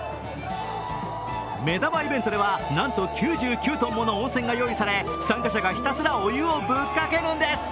目玉イベントでは、なんと９９ｔもの温泉が用意され、参加者がひたすらお湯をぶっかけるんです。